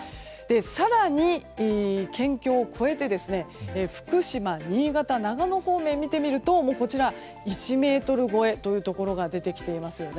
更に、県境を越えて福島、新潟長野方面を見てみるとこちら、１ｍ超えというところが出てきていますね。